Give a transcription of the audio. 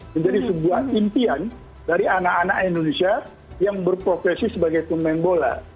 menjadi sebuah impian dari anak anak indonesia yang berprofesi sebagai pemain bola